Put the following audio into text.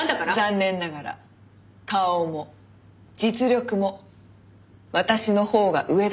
残念ながら顔も実力も私のほうが上だったようですね。